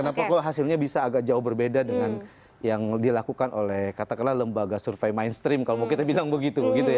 kenapa kok hasilnya bisa agak jauh berbeda dengan yang dilakukan oleh katakanlah lembaga survei mainstream kalau mau kita bilang begitu ya